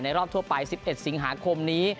รอบทั่วไป๑๑สิงหาคมนี้